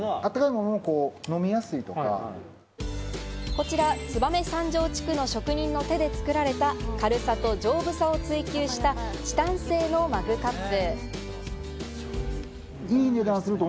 こちら燕三条地区の職人の手で作られた、軽さと丈夫さを追求したチタン製のマグカップ。